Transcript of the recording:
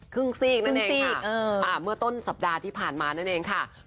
ครึ่งสีกนั่นเองค่ะเมื่อต้นสัปดาห์ที่ผ่านมานั่นเองค่ะครึ่งสีก